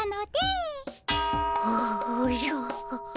おおじゃ。